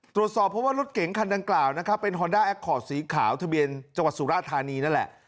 ตรวจสอบเพราะว่ารถเก๋งคันดังกล่าวนะครับเป็นฮอนด้าแอคคอร์ดสีขาวทะเบียนจังหวัดสุราธานีนั่นแหละ